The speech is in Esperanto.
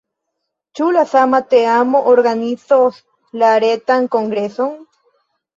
Ĉu la sama teamo organizos la retan kongreson?